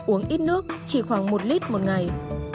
uống ít nước chỉ khoảng một lít một ngày